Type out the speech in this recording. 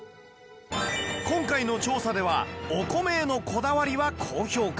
今回の調査ではお米へのこだわりは高評価